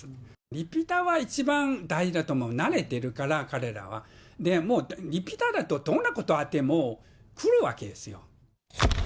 リピーターは一番大事だと思う、慣れてるから、彼らは。もう、リピーターだとどんなことあっても来るわけですよ。